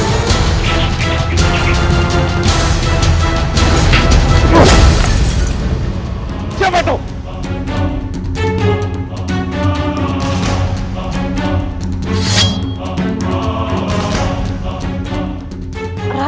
dasar perempuan kelas kepala